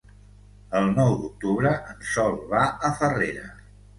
El nou d'octubre en Sol va a Farrera.